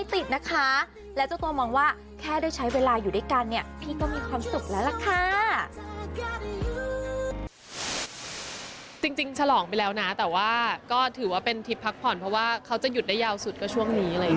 เพราะว่าเขาจะหยุดได้ยาวสุดก็ช่วงนี้อะไรอย่างนี้